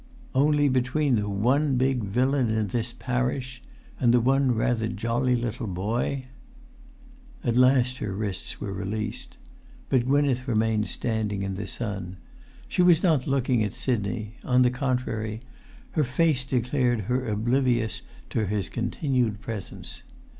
"Only between the one big villain in this parish—and the one rather jolly little boy!" At last her wrists were released. But Gwynneth remained standing in the sun. She was not looking[Pg 334] at Sidney; on the contrary, her face declared her oblivious to his continued presence.